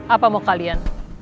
apa mau kalian